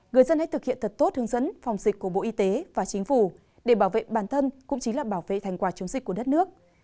người dân hãy thực hiện thật tốt hướng dẫn phòng dịch của bộ y tế và chính phủ để bảo vệ bản thân cũng chính là bảo vệ thành quả chống dịch của đất nước